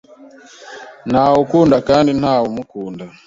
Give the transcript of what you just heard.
Ntawe akunda kandi ntawe umukunda.